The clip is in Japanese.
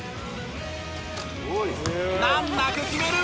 難なく決める